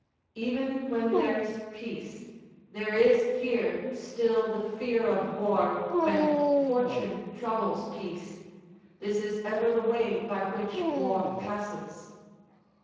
["Even when there's peace, there is here still the dear of war when Fortune troubles peace, this is ever the way by which war passes."